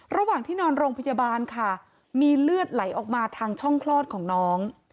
ระหว่างที่นอนโรงพยาบาลค่ะมีเลือดไหลออกมาทางช่องคลอดของน้อง